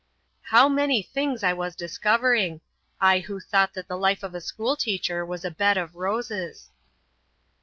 How many things I was discovering, I who thought that the life of the school teacher was a bed of roses.